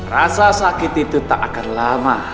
rasa sakit itu tak akan lama